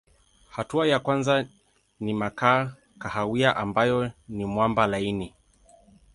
Hatua ya kwanza ni makaa kahawia ambayo ni mwamba laini.